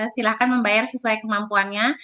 silahkan membayar sesuai kemampuannya